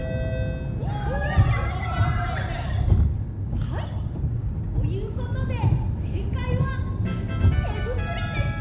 はいということでせいかいはてぶくろでした！